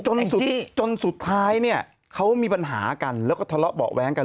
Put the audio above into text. จนจนสุดท้ายเนี่ยเขามีปัญหากันแล้วก็ทะเลาะเบาะแว้งกัน